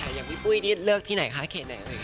อย่างวิปุ้ยนี้เลือกที่ไหนคะเขตไหน